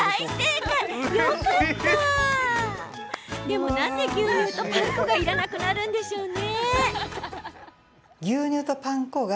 でも、なぜ牛乳とパン粉がいらなくなるのでしょうか？